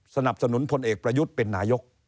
สนับสนุนพลเอกประยุทธ์เป็นนายก